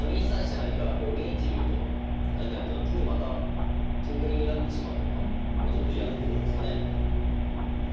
成から２一竜と入られた時にまた金取りになってしまうのがちょっと嫌なところですかね。